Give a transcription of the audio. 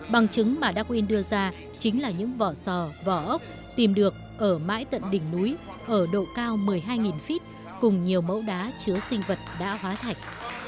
bằng chứng mà đa quyên đưa ra chính là những vỏ sò vỏ ốc tìm được ở mãi tận đỉnh núi ở độ cao một mươi hai feet cùng nhiều mẫu đá chứa sinh vật đã hóa thạch